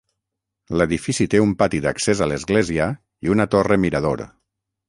L'edifici té un pati d'accés a l'església i una torre mirador.